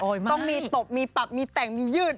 ต้องมีตบมีปรับมีแต่งมียืด